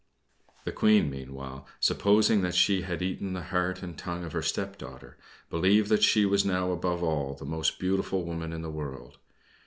The Queen meanwhile, supposing that she had eaten the heart and tongue of her stepdaughter, believed that she was now above all the most beautiful woman in the world.